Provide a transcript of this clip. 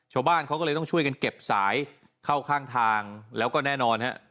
ชาวบ้านเขาก็เลยต้องช่วยกันเก็บสายเข้าข้างทางแล้วก็แน่นอนฮะ